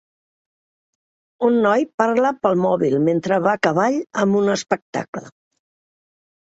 Un noi parla pel mòbil mentre va a cavall en un espectacle.